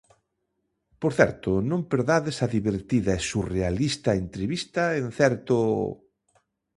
Por certo, non perdades a divertida e surrealista entrevista en certo...